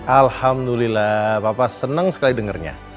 alhamdulillah papa seneng sekali dengernya